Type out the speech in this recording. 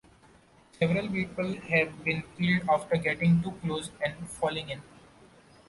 Several people have been killed after getting too close and falling in.